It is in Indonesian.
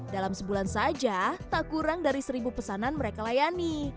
dalam sebulan saja tak kurang dari seribu pesanan mereka layani